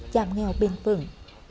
giảm nghèo bình thường